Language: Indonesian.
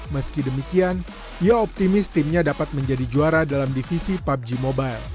meski demikian ia optimis timnya dapat menjadi juara dalam divisi pubg mobile